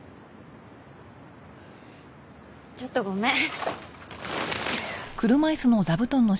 ちょっとごめん。